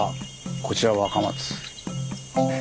こちら若松。